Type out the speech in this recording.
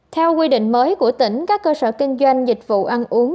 theo quy định mới của tỉnh các cơ sở kinh doanh dịch vụ ăn uống